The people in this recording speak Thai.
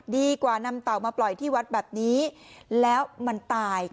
ดีกว่านำเต่ามาปล่อยที่วัดแบบนี้แล้วมันตาย